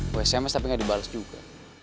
ke sms tapi gak dibalas juga